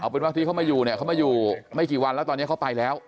เป็นว่าที่เขามาอยู่เนี่ยเขามาอยู่ไม่กี่วันแล้วตอนนี้เขาไปแล้ว